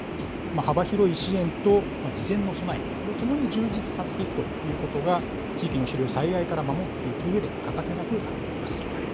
幅広い支援と事前の備え、これをともに充実させていくということが、地域の資料を災害から守っていくうえで欠かせなくなっています。